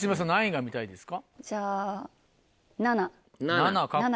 ７が見たいです。